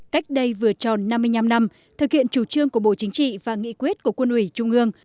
cách đây vừa tròn năm mươi năm năm thực hiện chủ trương của bộ chính trị và nghị quyết của quân ủy trung ương